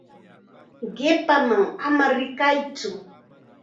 Qipaman ama rikaytsu.